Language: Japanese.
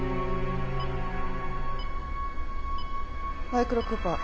マイクロクーパー。